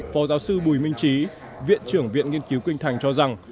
phó giáo sư bùi minh trí viện trưởng viện nghiên cứu kinh thành cho rằng